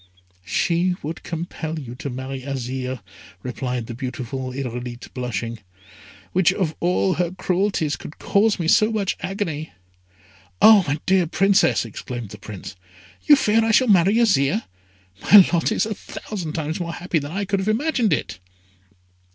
"She would compel you to marry Azire," replied the beautiful Irolite, blushing; "which of all her cruelties could cause me so much agony?" "Ah! my dear Princess," exclaimed the Prince, "you fear I shall marry Azire! My lot is a thousand times more happy than I could have imagined it!"